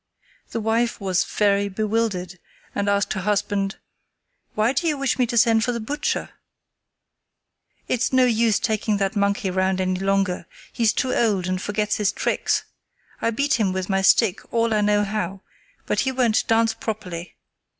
The wife was very bewildered and asked her husband: "Why do you wish me to send for the butcher?" "It's no use taking that monkey round any longer, he's too old and forgets his tricks. I beat him with my stick all I know how, but he won't dance properly.